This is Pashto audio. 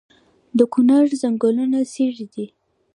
د کونړ ځنګلونه څیړۍ دي